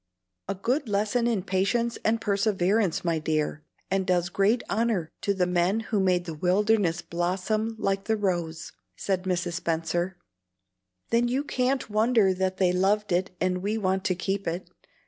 "A good lesson in patience and perseverance, my dear, and does great honor to the men who made the wilderness blossom like the rose," said Mrs. Spenser. "Then you can't wonder that they loved it and we want to keep it.